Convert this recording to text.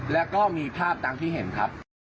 แล้วก็มีภาพตามที่เห็นครับ